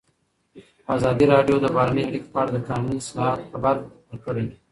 ازادي راډیو د بهرنۍ اړیکې په اړه د قانوني اصلاحاتو خبر ورکړی.